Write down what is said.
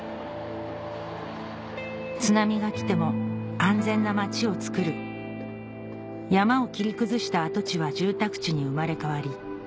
津波が来ても安全な町をつくる山を切り崩した跡地は住宅地に生まれ変わり